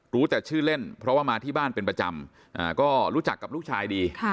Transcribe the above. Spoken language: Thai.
รู้แต่ชื่อเล่นเพราะว่ามาที่บ้านเป็นประจำก็รู้จักกับลูกชายดี